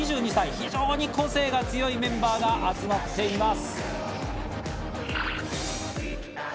非常に個性が強いメンバーが集まっています。